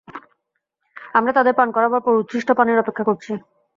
আমরা তাদের পান করাবার পর উচ্ছিষ্ট পানির অপেক্ষা করছি।